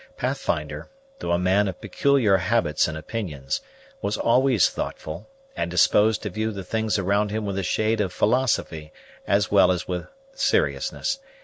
Pathfinder, though a man of peculiar habits and opinions, was always thoughtful, and disposed to view the things around him with a shade of philosophy, as well as with seriousness.